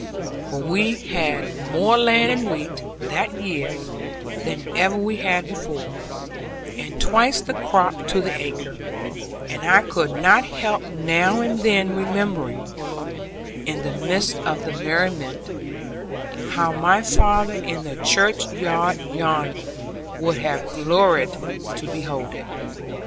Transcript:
For we had more land in wheat, that year, than ever we had before, and twice the crop to the acre; and I could not help now and then remembering, in the midst of the merriment, how my father in the churchyard yonder would have gloried to behold it.